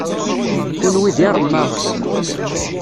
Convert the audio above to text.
Kenwi d iremmaɣen.